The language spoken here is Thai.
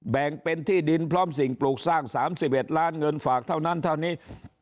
แบ่งเป็นที่ดินพร้อมสิ่งปลูกสร้าง๓๑ล้านเงินฝากเท่านั้นเท่านี้